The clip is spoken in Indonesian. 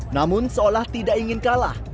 namun seolah tidak ingin kalah